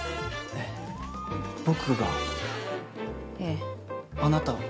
えっ僕が？ええ。あなたを？